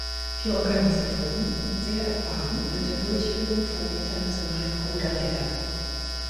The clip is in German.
Die Organisatoren sind sehr erfahren in der Durchführung von internationalen Ruderregatten.